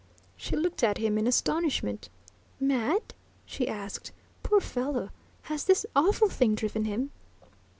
She looked at him in astonishment. "Mad?" she asked. "Poor fellow! Has this awful thing driven him